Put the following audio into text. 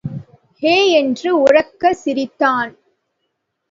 He!... என்று உரக்கச் சிரித்தான்.